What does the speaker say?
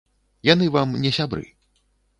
Яны вам не сябры.